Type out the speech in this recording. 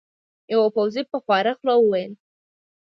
یوه پوځي په خواره خوله وویل.